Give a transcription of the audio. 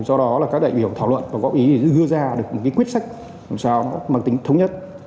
sau đó là các đại biểu thảo luận và góp ý để gưa ra được một quyết sách làm sao nó có mặt tính thống nhất